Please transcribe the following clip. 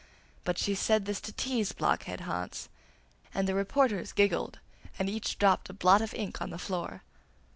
but she only said this to tease Blockhead Hans. And the reporters giggled, and each dropped a blot of ink on the floor.